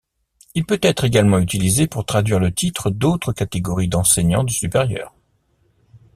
Il peut être également utilisé pour traduire le titre d'autres catégories d'enseignant du supérieur.